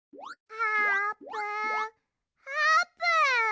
あーぷん！